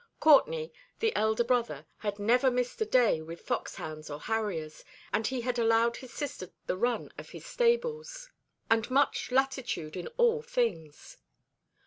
Courtenay, the elder brother, had never missed a day with fox hounds or harriers, and he had allowed his sister the run of his stables, and much latitude in all things.